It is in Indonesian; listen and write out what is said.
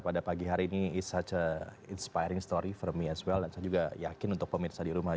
pada pagi hari ini is out a inspiring story vermy is well dan saya juga yakin untuk pemirsa di rumah